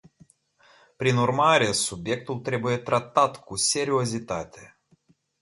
Prin urmare, subiectul trebuie tratat cu seriozitate.